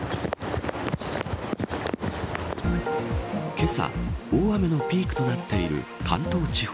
けさ、大雨のピークとなっている関東地方。